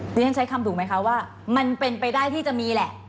ดิฉันใช้คำถูกไหมคะว่ามันเป็นไปได้ที่จะมีแหละ